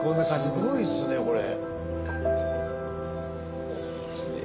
すごいっすねこれ。